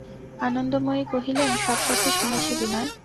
আনন্দময়ী কহিলেন, সব কথা শুনেছি বিনয়!